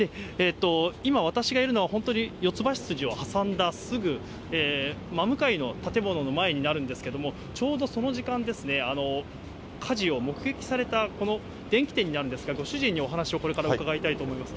今、私がいるのは、本当に四ツ橋筋を挟んだすぐ真向かいの建物の前になるんですけれども、ちょうどその時間ですね、火事を目撃された、この電器店になるんですけど、ご主人にこれからお話を伺いたいと思います。